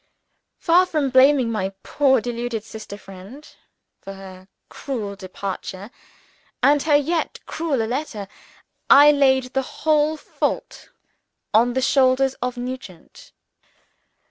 Far from blaming my poor deluded sister friend for her cruel departure and her yet crueler letter, I laid the whole fault on the shoulders of Nugent.